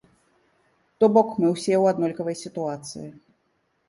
То бок, мы ўсе ў аднолькавай сітуацыі.